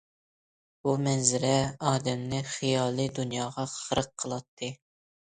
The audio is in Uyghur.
بۇ مەنزىرە ئادەمنى خىيالىي دۇنياغا غەرق قىلاتتى.